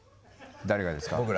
誰がですか？